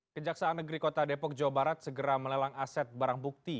kejaksaan negeri kota depok jawa barat segera melelang aset barang bukti